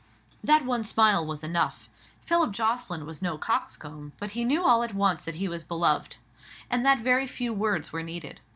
That one smile was enough. Philip Jocelyn was no cox comb, but he knew all at once that he was beloved, and that very few words were needed.